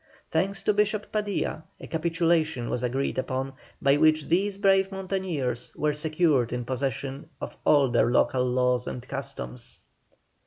Thanks to Bishop Padilla, a capitulation was agreed upon, by which these brave mountaineers were secured in possession of all their local laws and customs.